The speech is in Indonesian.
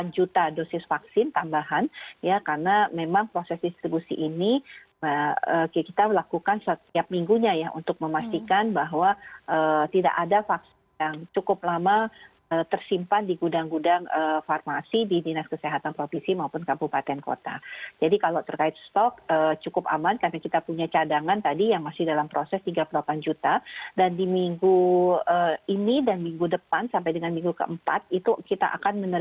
delapan puluh juta dosis vaksin akan kita terima di bulan desember